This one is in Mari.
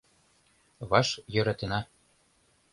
Ваш йӧратена.